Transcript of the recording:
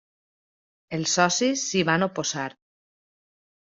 Els socis s'hi van oposar.